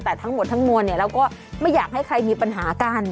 แต่ทั้งหมดทั้งมวลเราก็ไม่อยากให้ใครมีปัญหากัน